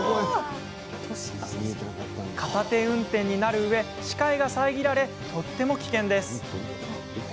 片手運転になるうえ視界が遮られとても危険です。